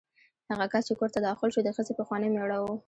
هغه کس چې کور ته داخل شو د ښځې پخوانی مېړه و.